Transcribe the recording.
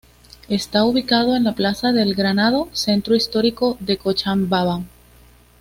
Está ubicado en la Plaza del Granado, centro histórico de Cochabamba.